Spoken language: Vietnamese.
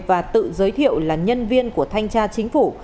và tự giới thiệu là nhân viên của thanh tra chính phủ